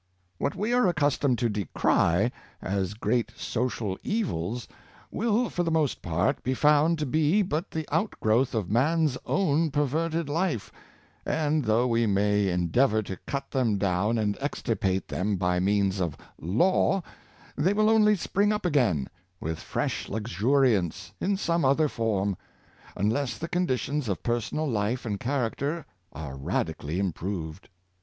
What we are accus tomed to decry, as great social evils, will, for the most part, be found to be but the outgrowth of man's own perverted life; and, though we may endeavor to cut them down and extirpate them by means of Law, they will only spring up again, with fresh luxuriance, in some other form, unless the conditions of personal life and character are radically improved.